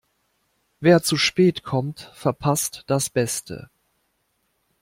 Wer zu spät kommt, verpasst das Beste.